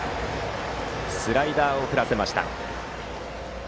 スライダーを振らせました。